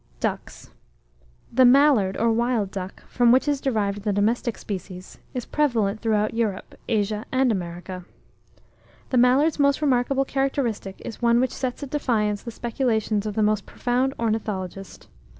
DUCKS. The Mallard, or Wild Duck, from which is derived the domestic species, is prevalent throughout Europe, Asia, and America. The mallard's most remarkable characteristic is one which sets at defiance the speculations of the most profound ornithologist.